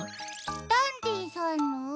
ダンディさんの？